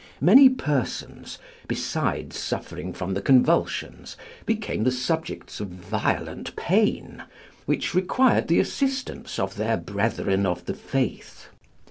Many persons, besides suffering from the convulsions, became the subjects of violent pain, which required the assistance of their brethren of the faith.